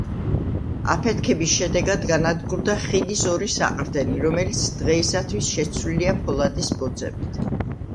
აფეთქების შედეგად განადგურდა ხიდის ორი საყრდენი, რომელიც დღეისათვის შეცვლილია ფოლადის ბოძებით.